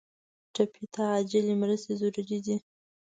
ټپي ته عاجل مرستې ضروري دي.